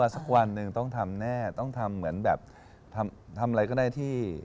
สักวันหนึ่งต้องทำแน่ต้องทำเหมือนแบบทำอะไรก็ได้ที่